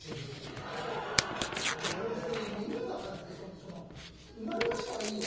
で俺もそれもう意味がわからなくてその産まれましたはいいよ。